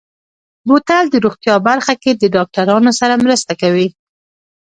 بوتل د روغتیا برخه کې د ډاکترانو سره مرسته کوي.